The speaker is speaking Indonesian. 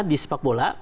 di sepak bola